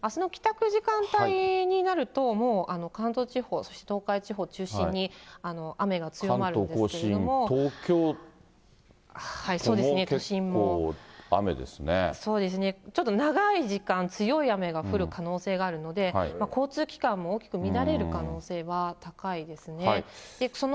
あすの帰宅時間帯になると、もう関東地方、そして東海地方中心に、関東甲信、東京都も結構、そうですね、ちょっと長い時間、強い雨が降る可能性があるので、交通機関も大きく乱れる可能性は高いですね。